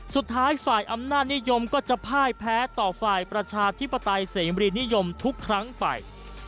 สุดท้ายฝ่ายอำนาจนิยมก็จะพ่ายแพ้ต่อฝ่ายประชาธิปไตยเสมรีนิยมทุกครั้งไป